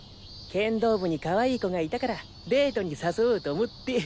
剣道部にかわいい子がいたからデートに誘おうと思って。